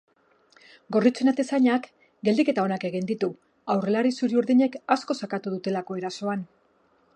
Gorritxoen atezainak geldiketa onak egin ditu aurrelari zuri-urdinek asko sakatu dutelako erasoan.